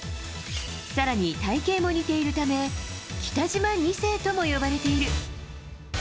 更に体形も似ているため北島２世とも呼ばれている。